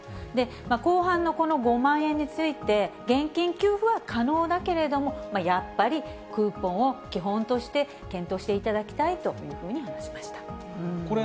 後半のこの５万円について、現金給付は可能だけれども、やっぱりクーポンを基本として検討していただきたいというふうにこれ、